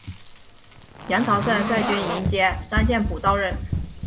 杨朝晟率军迎接张献甫到任。